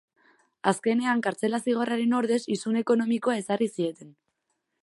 Azkenean kartzela zigorraren ordez isun ekonomikoa ezarri zieten.